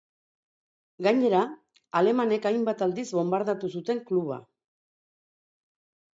Gainera, alemanek hainbat aldiz bonbardatu zuten kluba.